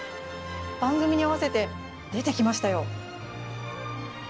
番組に合わせて出てきましたよ。